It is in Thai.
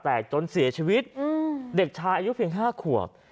จนเสียชีวิตเด็กชายอายุเพียง๕ขวบ